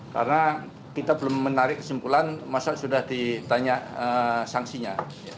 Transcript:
karena kita belum menarik kesimpulan masa sudah ditanya sanksinya